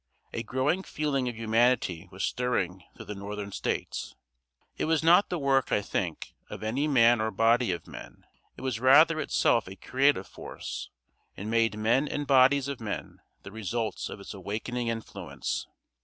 A growing feeling of humanity was stirring through the northern States. It was not the work, I think, of any man or body of men; it was rather itself a creative force, and made men and bodies of men the results of its awakening influence.